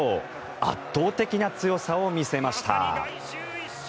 圧倒的な強さを見せました。